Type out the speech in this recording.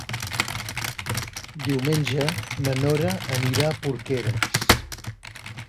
Diumenge na Nora anirà a Porqueres.